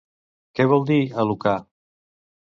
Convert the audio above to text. Què vol dir Alukah?